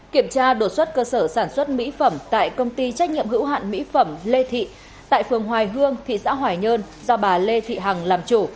kiểm tra đột xuất cơ sở sản xuất mỹ phẩm tại công ty trách nhiệm hữu hạn mỹ phẩm lê thị tại phường hoài hương thị xã hoài nhơn do bà lê thị hằng làm chủ